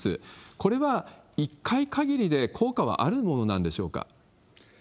これは一回限りで効果はあるものなんでしょうか。